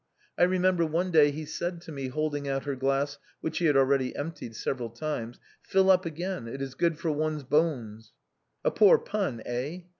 I remember one day she said to me, holding out her glass, which she had already emptied several times, " Fill up again, it is good for one's bones." A poor pun, eh